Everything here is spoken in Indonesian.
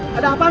tak ada apaan